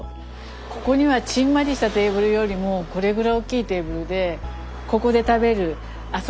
ここにはちんまりしたテーブルよりもこれぐらい大きいテーブルでここで食べるあそこで食べる。